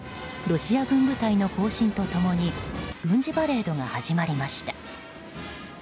ロシア軍部隊の行進と共に軍事パレードが始まりました。